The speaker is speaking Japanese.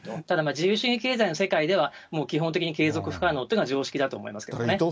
ただ自由主義経済の中では、もう基本的に継続不可能っていうのは、常識だと思いますけどね。